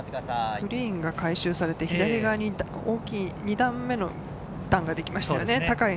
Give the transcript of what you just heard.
グリーンが改修されて左側に大きい２段目の段ができましたよね。